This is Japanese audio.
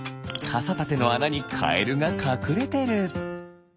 かさたてのあなにカエルがかくれてる！